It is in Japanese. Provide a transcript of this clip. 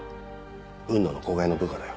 雲野の子飼いの部下だよ。